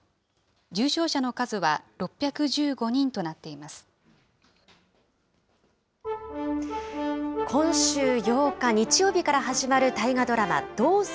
重症者の数は６１５人となっています。